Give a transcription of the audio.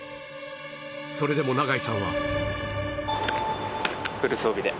それでも永井さんは